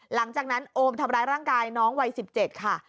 หลังจากนั้นโอมทำร้ายร่างกายน้องวัย๑๗ค่ะ